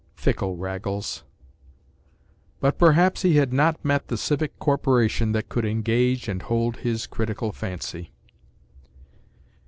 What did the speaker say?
Fickle Raggles!—but perhaps he had not met the civic corporation that could engage and hold his critical fancy.